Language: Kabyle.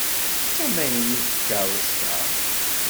D tamaynut tkeṛṛust-a?